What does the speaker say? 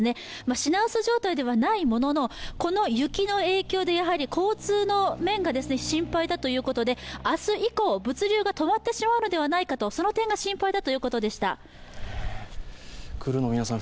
品薄状態ではないもののこの雪の影響で交通の面が心配だということで、明日以降、物流が止まってしまうのではないか、その点が心配だということでした。